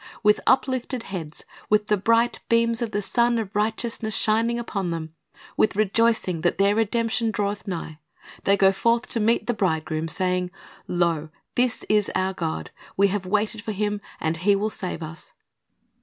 With uplifted heads, with the bright beams of the Sun of Righteousness shining upon them, with rejoicing that their redemption draweth nigh, they go forth to meet the Bridegroom, saying, "Lo, this is our God; we have waited for Him, and He will save us.'"